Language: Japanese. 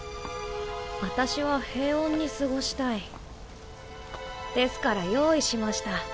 私は平穏に過ごしたいですから用意しました